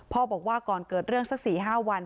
บอกว่าก่อนเกิดเรื่องสัก๔๕วัน